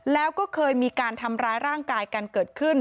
แล้วก็เคยมีการทำร้ายร่างกายกันเกิดขึ้น